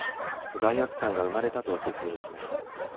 罪悪感が生まれたと説明しました。